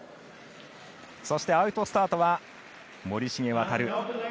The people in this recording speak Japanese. そしてアウトスタートは森重航。